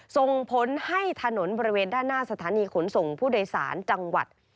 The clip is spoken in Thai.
ส่งผลให้ถนนบริเวณด้านหน้าสถานีขนส่งผู้โดยสารจังหวัด